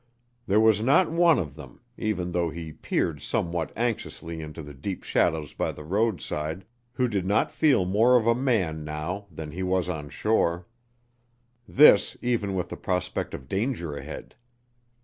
There was not one of them, even though he peered somewhat anxiously into the deep shadows by the roadside, who did not feel more of a man now that he was on shore; this, even with the prospect of danger ahead.